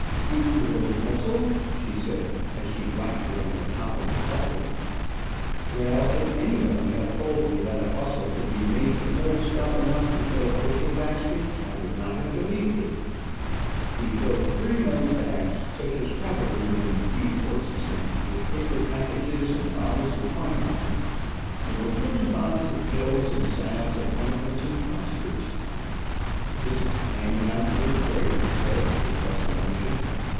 "Take your old bustle," she said, as she whacked it on the top of the pulpit. Well, if anybody had told me that a bustle could be made to hold stuff enough to fill a bushel basket, I would not have believed it. We filled three nose bags, such as cavalrymen feed horses in, with paper packages and bottles of quinine. There were thirty bottles of pills, and salves and ointments, and plasters. "This is panning out first rate," I said, with less emotion.